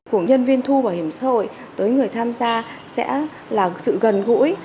của nhân viên thu bảo hiểm xã hội tới người tham gia sẽ là sự gần gũi